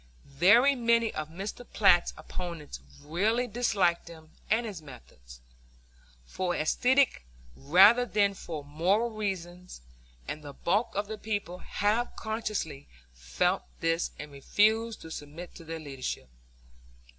Very many of Mr. Platt's opponents really disliked him and his methods, for aesthetic rather than for moral reasons, and the bulk of the people half consciously felt this and refused to submit to their leadership.